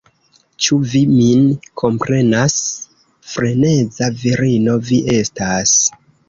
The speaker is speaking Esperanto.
Ĉu vi min komprenas? Freneza virino vi estas